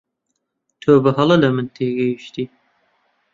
تۆ بەهەڵە لە من تێگەیشتی.